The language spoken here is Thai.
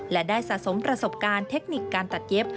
และได้สะสมประสบการณ์เทคนิคการตัดเย็บ